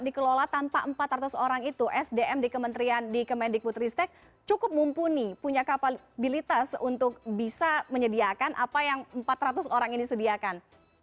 dikelola tanpa empat ratus orang itu sdm di kementerian di kemendikbud ristek cukup mumpuni punya kapabilitas untuk bisa menyediakan apa yang empat ratus orang ini sediakan